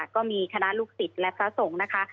ก็มีคณะลูกศิษย์และทราสงค์